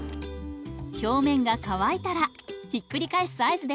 表面が乾いたらひっくり返す合図です。